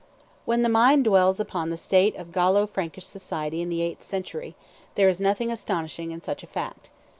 When the mind dwells upon the state of Gallo Frankish society in the eighth century, there is nothing astonishing in such a fact.